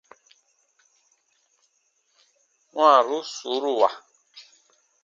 Wãaru suuruwa.